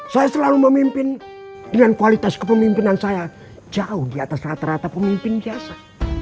saya selalu memimpin dengan kualitas kepemimpinan saya jauh di atas rata rata pemimpin biasa